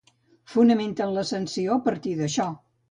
Fonamenten la sanció a partir d’això.